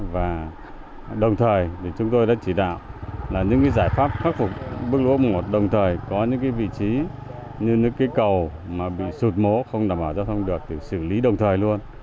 và đồng thời thì chúng tôi đã chỉ đạo là những cái giải pháp khắc phục bước lũa một đồng thời có những cái vị trí như những cái cầu mà bị sụt mố không đảm bảo giao thông được thì xử lý đồng thời luôn